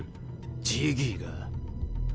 ジギーが？